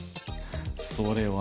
それは。